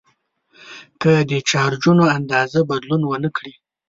که د چارجونو اندازه بدلون ونه کړي.